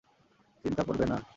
চিন্তা করবে না।